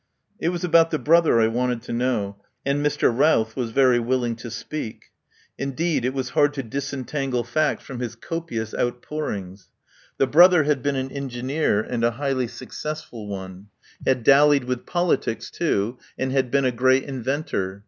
It was about the brother I wanted to know, and Mr. Routh was very willing to speak. In deed, it was hard to disentangle facts from his 9 6 THE TRAIL OF THE SUPER BUTLER copious outpourings. The brother had been an engineer and a highly successful one ; had dallied with politics, too, and had been a great inventor.